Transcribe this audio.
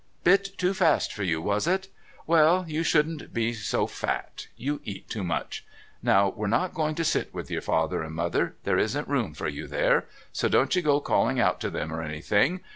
"Bit too fast for you, was it? Well, you shouldn't be so fat. You eat too much. Now we're not going to sit with your father and mother there isn't room for you there. So don't you go calling out to them or anything.